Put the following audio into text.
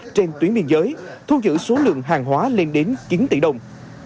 trên tuyến biên giới thu giữ số lượng hàng hóa lên đến chín tỷ đồng